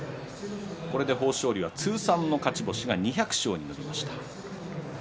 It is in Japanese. これで豊昇龍は通算の勝ち星が２００勝になりました。